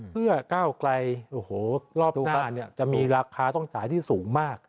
เพื่อก้าวกล่าวลอบหน้าจะมีราคาต้องจ่ายที่สูงมาก